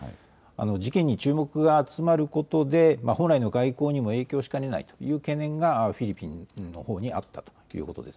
事件に注目が集まることで本来の外交にも影響しかねないという懸念がフィリピンのほうにあったということです。